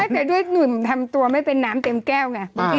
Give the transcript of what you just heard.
แต่ด้วยหนุ่มทำตัวไม่เป็นน้ำเต็มแก้วไง